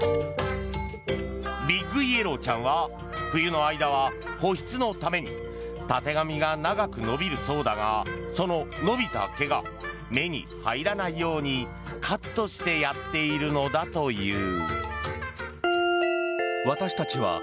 ビッグイエローちゃんは冬の間は、保湿のためにたてがみが長く伸びるそうだがその伸びた毛が目に入らないようにカットしてやっているのだという。